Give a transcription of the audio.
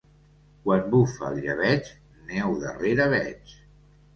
Quan bufa el llebeig, neu darrere veig.